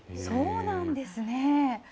そうなんですね。